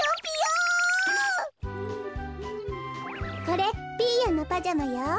これピーヨンのパジャマよ。